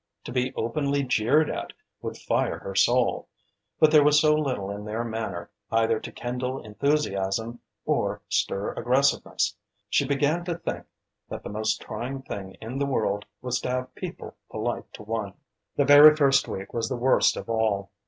To be openly jeered at would fire her soul. But there was so little in their manner either to kindle enthusiasm or stir aggressiveness. She began to think that the most trying thing in the world was to have people polite to one. The very first week was the worst of all.